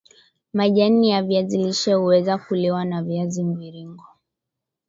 Majani ya viazi lishe huweza kuliwa kwa viazi mviringo